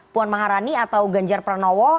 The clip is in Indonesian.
puan maharani atau ganjar pranowo